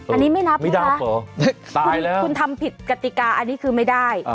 อันนี้ไม่นับไม่นับเหรอตายแล้วคุณทำผิดกติกาอันนี้คือไม่ได้